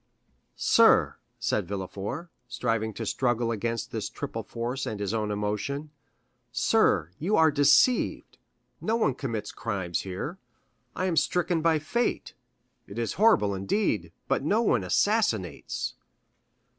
"Sir," said Villefort, striving to struggle against this triple force and his own emotion,—"sir, you are deceived; no one commits crimes here. I am stricken by fate. It is horrible, indeed, but no one assassinates."